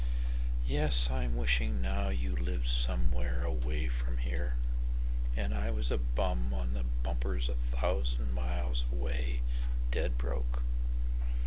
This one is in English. Yes, I'm wishing now you lived somewhere away from hereAnd I was a bum on the bumpers a thousand miles away dead broke.